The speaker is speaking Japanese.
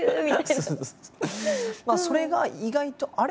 それが意外と「あれ？」